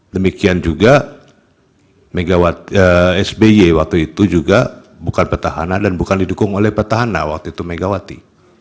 demikian juga sby waktu itu juga bukan petahana dan bukan didukung oleh petahana waktu itu megawati